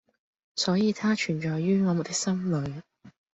所以它存在於我們的心裏！